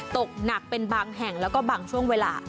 ตกหนักเป็นบางแห่งแล้วก็บางช่วงเวลา